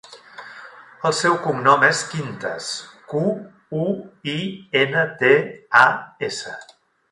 El seu cognom és Quintas: cu, u, i, ena, te, a, essa.